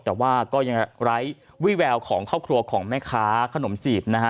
แต่ว่าก็ยังไร้วิแววของครอบครัวของแม่ค้าขนมจีบนะฮะ